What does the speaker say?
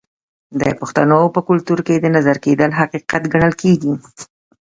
د پښتنو په کلتور کې د نظر کیدل حقیقت ګڼل کیږي.